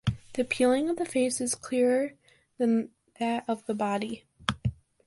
The peeling of the face is clearer than that of the body.